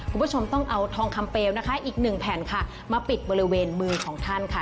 คุณผู้ชมต้องเอาทองคำเปลวนะคะอีกหนึ่งแผ่นค่ะมาปิดบริเวณมือของท่านค่ะ